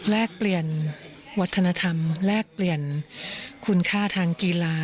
แลกเปลี่ยนวัฒนธรรมแลกเปลี่ยนคุณค่าทางกีฬา